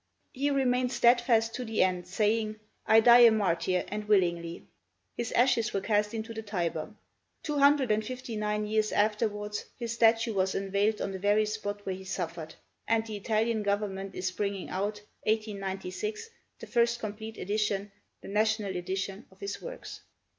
He remained steadfast to the end, saying, "I die a martyr, and willingly." His ashes were cast into the Tiber. Two hundred and fifty nine years afterwards, his statue was unveiled on the very spot where he suffered; and the Italian government is bringing out (1896) the first complete edition, the 'National Edition,' of his works.